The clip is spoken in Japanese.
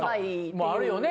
もあるよね？